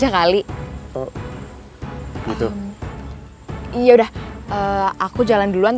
kamu mau jalan duluan